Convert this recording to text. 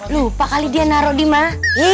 lupa kali dia naro di mah